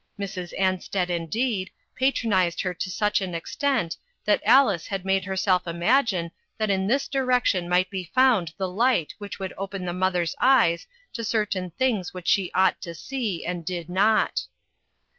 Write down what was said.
Mrs. Ansted, indeed, patronized her to such an extent that Alice had made herself imagine that in this direction might be found the light which would open the mother's eyes UNPALATABLE TRUTHS. 349 to certain things which she ought to see and did not.